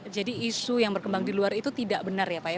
jadi isu yang berkembang di luar itu tidak benar ya pak ya